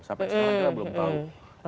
sampai sekarang kita belum tahu